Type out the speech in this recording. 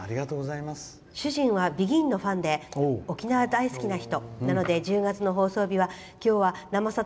主人はＢＥＧＩＮのファンで沖縄大好きな人なので１０月の放送日は今日は、「生さだ」